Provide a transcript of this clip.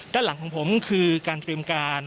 ด้านหลังของผมคือการเตรียมการ